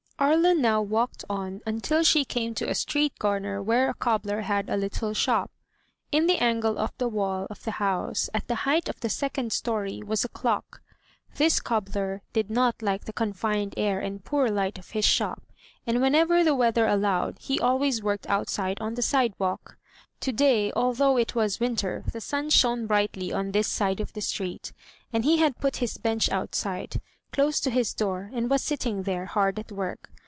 Aria now walked on until she came to a street corner where a cobbler had a little shop. In the angle of the wall of the house, at the height of the second story, was a clock. This cobbler did not like the confined air and poor light of his shop, and whenever the weather allowed he always worked outside on the side walk. To day, although it was winter, the sim shone brightly on this 260 THE TREASURE CHEST side of the street, and he had put his bench outside, close to his door, and was sitting there, hard at work.